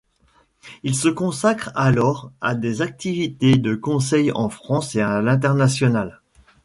Il se consacre alors à des activités de conseil en France et à l'international.